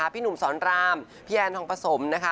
พี่หนุ่มสอนรามพี่แอนทองประสม